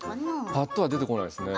ぱっとは出てこないですね。